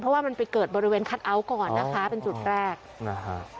เพราะว่ามันไปเกิดบริเวณคัทเอาท์ก่อนนะคะเป็นจุดแรกนะฮะ